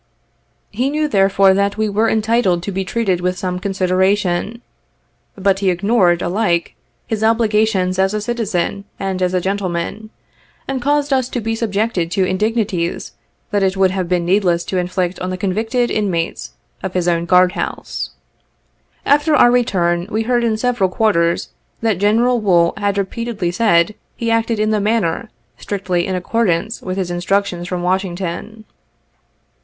He knew therefore that we were entitled to be treated with some consideration. But he ignored, alike, his obligations as a citizen and as a gentleman, and caused us to be subjected to indignities that it would have been needless to inflict on the convicted inmates of his own guard house. After our return, we heard in several quarters, that General Wool had repeatedly said he acted in the matter, strictly in accordance with his instruc tions from Washington.